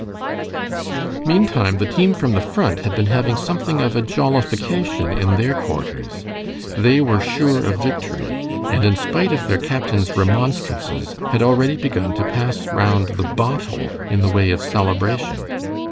Meantime the team from the Front had been having something of a jollification in their quarters. They were sure of victory, and in spite of their captain's remonstrances had already begun to pass round the bottle in the way of celebration.